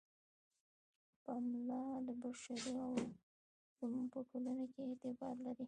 پملا د بشري علومو په ټولنو کې اعتبار لري.